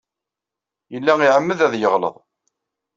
Yella iɛemmed ad yeɣleḍ.